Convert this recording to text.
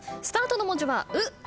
スタートの文字は「う」